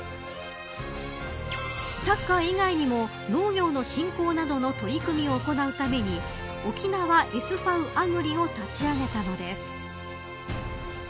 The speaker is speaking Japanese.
サッカー以外にも農業の振興などの取り組みを行うために沖縄ＳＶアグリを立ち上げたのです。